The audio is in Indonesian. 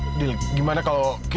dan dia bisa menatuhi